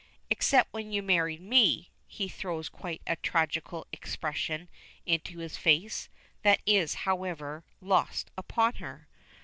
"Except when you married me." He throws quite a tragical expression into his face, that is, however, lost upon her.